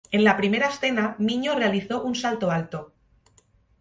En la primera escena, Minho realizó un salto alto.